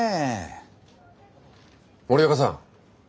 森若さん。